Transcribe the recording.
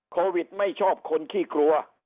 โควิดไม่ชอบคนขี้กลัว